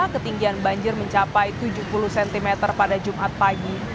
ketinggian banjir mencapai tujuh puluh cm pada jumat pagi